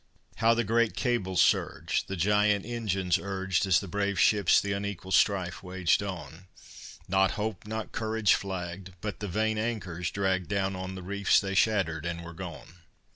How the great cables surged, The giant engines urged, As the brave ships the unequal strife waged on! Not hope, not courage flagged; But the vain anchors dragged, Down on the reefs they shattered, and were gone!